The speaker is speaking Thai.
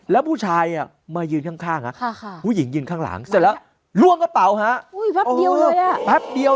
แล้วผู้ชายอ่ะมายืนข้างฮะค่ะค่ะผู้หญิงยึนข้างหลังเสร็จแล้ว